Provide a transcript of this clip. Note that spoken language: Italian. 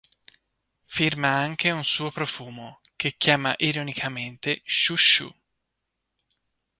Firma anche un suo profumo, che chiama ironicamente Schu-schu.